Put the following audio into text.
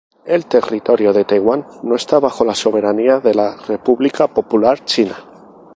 El territorio de Taiwán no está bajo la soberanía de la República Popular China.